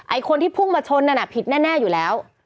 คนที่พุ่งมาชนนั่นน่ะผิดแน่อยู่แล้ว